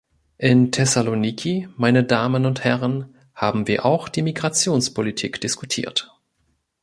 In Thessaloniki, meine Damen und Herren, haben wir auch die Migrationspolitik diskutiert.